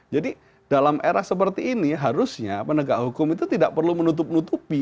jadi dalam era seperti ini harusnya penegak hukum itu tidak perlu menutup nutupi